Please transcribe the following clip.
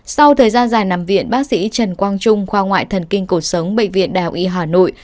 sau thời gian dài nằm viện bác sĩ trần quang trung khoa ngoại thần kinh cuộc sống bệnh viện đại học y hà nội